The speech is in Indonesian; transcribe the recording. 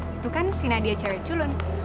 itu kan si nadia cewek culun